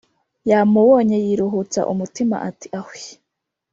yamubonye yiruhutsa umutima ati ahwii